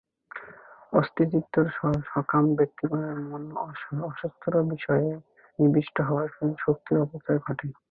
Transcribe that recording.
অস্থিরচিত্ত সকাম ব্যক্তিগণের মন সহস্র বিষয়ে নিবিষ্ট হওয়ায় শক্তির অপচয় ঘটে।